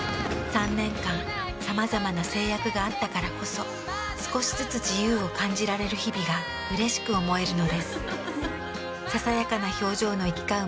３年間さまざまな制約があったからこそ少しずつ自由を感じられる日々がうれしく思えるのです。